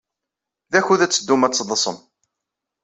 D akud ad teddum ad teḍḍsem.